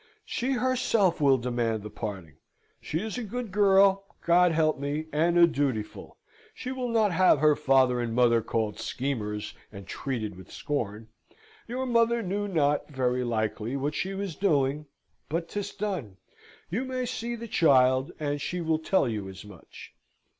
"She herself will demand the parting. She is a good girl, God help me! and a dutiful. She will not have her father and mother called schemers, and treated with scorn. Your mother knew not, very likely, what she was doing, but 'tis done. You may see the child, and she will tell you as much.